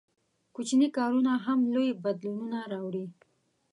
• کوچني کارونه هم لوی بدلونونه راوړي.